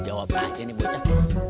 jawab aja nih bucah